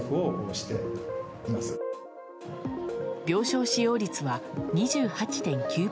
病床使用率は２８．９％。